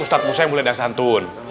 ustadz musa yang mulai dari santun